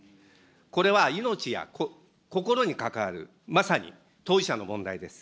これは命や心に関わる、まさに当事者の問題です。